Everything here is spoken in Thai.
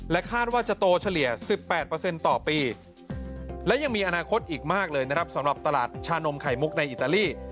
คาดว่าจะโตเฉลี่ย๑๘ต่อปีและยังมีอนาคตอีกมากเลยนะครับสำหรับตลาดชานมไข่มุกในอิตาลี